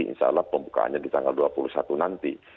insya allah pembukaannya di tanggal dua puluh satu nanti